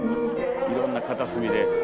いろんな片隅で。